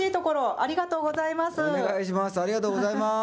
ありがとうございます。